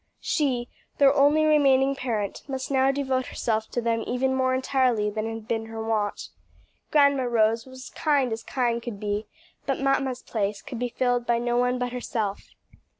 She, their only remaining parent, must now devote herself to them even more entirely than had been her wont. Grandma Rose was kind as kind could be, but mamma's place could be filled by no one but herself.